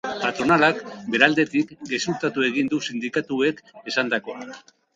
Patronalak, bere aldetik, gezurtatu egin du sindikatuek esandakoa.